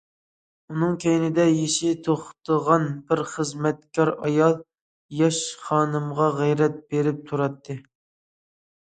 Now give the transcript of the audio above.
ئۇنىڭ كەينىدە يېشى توختىغان بىر خىزمەتكار ئايال ياش خانىمغا غەيرەت بېرىپ تۇراتتى.